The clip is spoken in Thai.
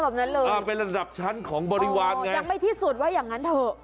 แบบนั้นเลยอ่าเป็นระดับชั้นของบริวารไงยังไม่ที่สุดว่าอย่างงั้นเถอะ